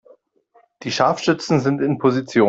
Die Scharfschützen sind in Position.